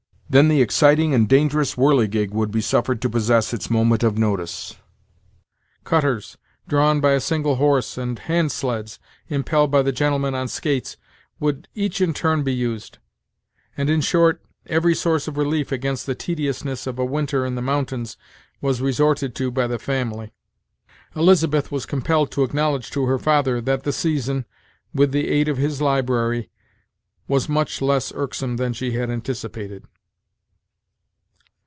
Then the exciting and dangerous "whirligig" would be suffered to possess its moment of notice. Cutters, drawn by a single horse, and handsleds, impelled by the gentlemen on skates, would each in turn be used; and, in short, every source of relief against the tediousness of a winter in the mountains was resorted to by the family, Elizabeth was compelled to acknowledge to her father, that the season, with the aid of his library, was much less irksome than she had anticipated.